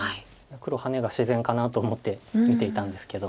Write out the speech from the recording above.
黒ハネが自然かなと思って見ていたんですけど。